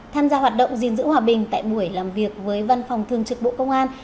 tham gia hoạt động giữ hòa bình tại buổi làm việc với văn phòng thường trực bộ công an